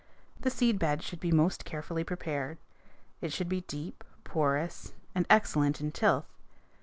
The seed bed should be most carefully prepared. It should be deep, porous, and excellent in tilth.